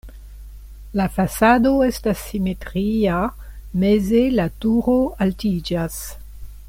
La fasado estas simetria, meze la turo altiĝas.